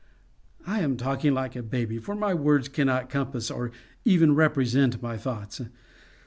I am talking like a baby, for my words cannot compass or even represent my thoughts.